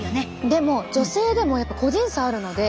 でも女性でもやっぱ個人差あるので。